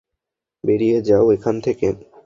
বেরিয়ে যাও এখান থেকে।